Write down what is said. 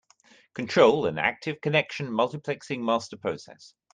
Control an active connection multiplexing master process.